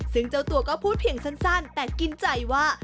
ซึ่งเจ้าตัวก็พูดเพียงสั้นแต่กินใจว่า